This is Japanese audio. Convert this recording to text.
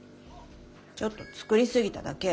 ちょっと作りすぎただけ。